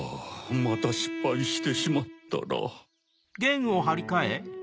またしっぱいしてしまったら。